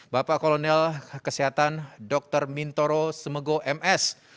bapak kolonel kesehatan dr mintoro semego ms